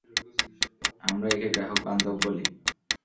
আমরা একে গ্রাহক বান্ধব বলি।